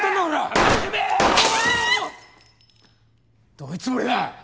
どういうつもりだ！